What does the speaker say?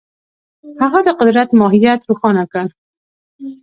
هغه د قدرت ماهیت روښانه کړ.